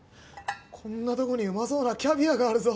こんなとこにうまそうなキャビアがあるぞ。